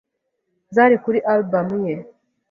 zari kuri Album ye